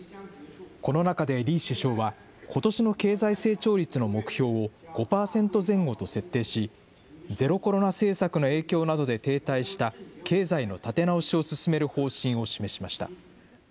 この中で李首相は、ことしの経済成長率の目標を５％前後と設定し、ゼロコロナ政策の影響などで停滞した経済の立て直しを進める方針を示しました。